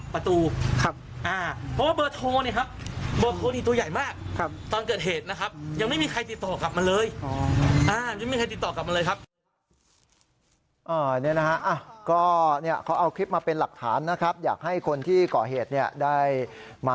บทโคลนี้ตัวใหญ่มากตอนเกิดเหตุนะครับ